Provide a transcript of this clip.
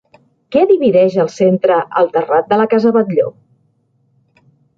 Què divideix al centre el terrat de la casa Batlló?